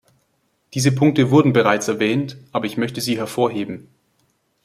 Diese Punkte wurden bereits erwähnt, aber ich möchte sie hervorheben.